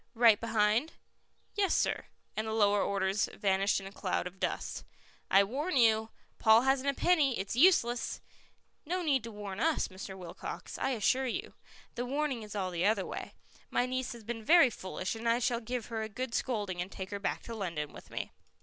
"Right behind?" "Yes, sir." And the lower orders vanished in a cloud of dust. "I warn you: Paul hasn't a penny; it's useless." "No need to warn us, Mr. Wilcox, I assure you. The warning is all the other way. My niece has been very foolish, and I shall give her a good scolding and take her back to London with me."